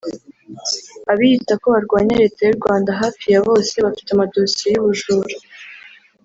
Abiyita ko barwanya Leta y’u Rwanda hafi ya bose bafite amadosiye y’ubujura